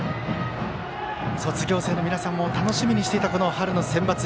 卒業生の皆さんも楽しみにしていたこの春のセンバツ。